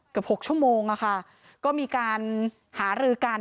เกือบ๖ชั่วโมงอะค่ะก็มีการหารือกัน